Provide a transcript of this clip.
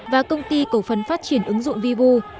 và công ty cổ phần phát triển ứng dụng vivu